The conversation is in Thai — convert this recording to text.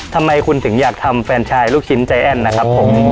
ทำไมคุณถึงอยากทำแฟนชายลูกชิ้นใจแอ้นนะครับผม